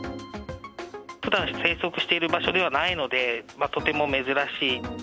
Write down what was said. ふだん生息している場所ではないので、とても珍しい。